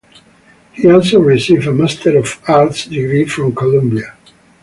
He also received a Master of Arts degree from Columbia.